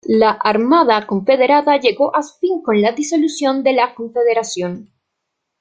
La Armada Confederada llegó a su fin con la disolución de la confederación.